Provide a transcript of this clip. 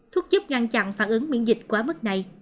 thuốc giúp ngăn chặn phản ứng miễn dịch quá mức này